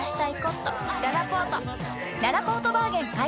ららぽーとバーゲン開催！